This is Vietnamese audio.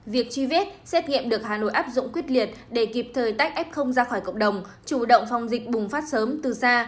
việc truy vết xét nghiệm được hà nội áp dụng quyết liệt để kịp thời tách f ra khỏi cộng đồng chủ động phòng dịch bùng phát sớm từ xa